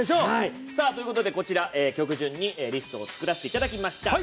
こちら、曲順にリストを作らせていただきました。